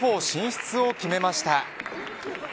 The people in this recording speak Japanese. ４進出を決めました。